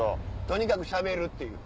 とにかくしゃべるっていう。